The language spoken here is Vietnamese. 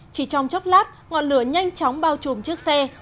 chỉ trong chốc lát ngọn lửa nhanh chóng bao trùm chiếc xe